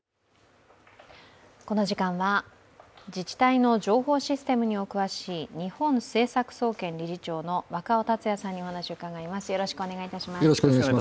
この時間は自治体の情報システムにお詳しい日本政策総研理事長の若生幸也さんにお話を伺います。